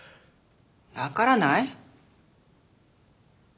わからない？